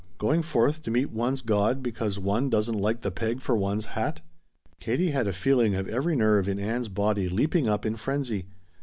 Going forth to meet one's God because one doesn't like the peg for one's hat!" Katie had a feeling of every nerve in Ann's body leaping up in frenzy.